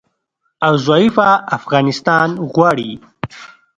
او ضعیفه افغانستان غواړي